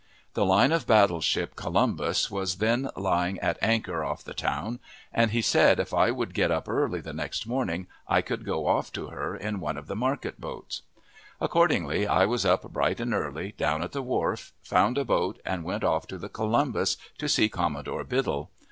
The line of battle ship Columbus was then lying at anchor off the town, and he said if I would get up early the next morning I could go off to her in one of the market boats. Accordingly, I was up bright and early, down at the wharf, found a boat, and went off to the Columbus to see Commodore Biddle.